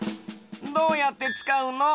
どうやってつかうの？